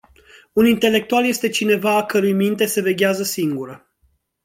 Un intelectual este cineva a cărui minte se veghează singură.